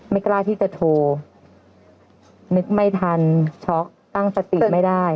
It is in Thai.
ไม่กล้าที่จะโทรนึกไม่ทันช็อกตั้งสติไม่ได้